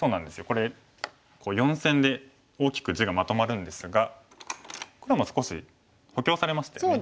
これ４線で大きく地がまとまるんですが黒も少し補強されましたよね。